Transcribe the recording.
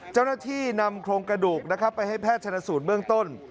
เจ้าหน้าที่นำโครงกระดูกนะครับไปให้แพทย์ชนสูตรเบื้องต้น